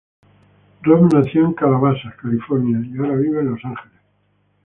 Rob nació en Calabasas, California y ahora vive en Los Ángeles.